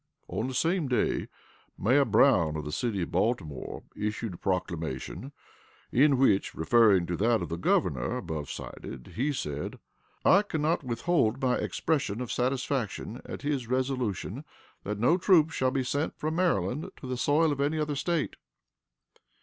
On the same day Mayor Brown, of the city of Baltimore, issued a proclamation in which, referring to that of the Governor above cited, he said, "I can not withhold my expression of satisfaction at his resolution that no troops shall be sent from Maryland to the soil of any other State."